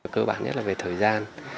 cơ bản nhất là về thời gian